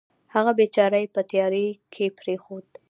هغه بېچاره یې په تیارې کې پرېښود.